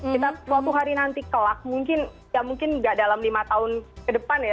kita suatu hari nanti kelak mungkin ya mungkin nggak dalam lima tahun ke depan ya